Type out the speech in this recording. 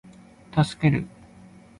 助ける